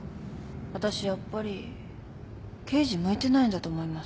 わたしやっぱり刑事向いてないんだと思います。